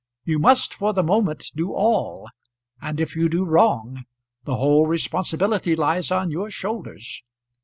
You must for the moment do all, and if you do wrong the whole responsibility lies on your shoulders.